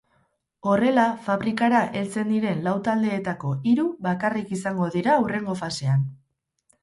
Horrela, fabrikara heltzen diren lau taldeetako hiru bakarrik izango dira hurrengo fasean.